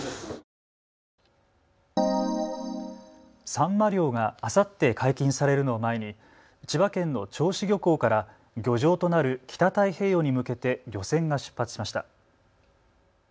サンマ漁があさって解禁されるのを前に千葉県の銚子漁港から漁場となる北太平洋に向けて漁船が出発しました。